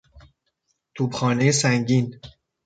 توپخانهی سنگین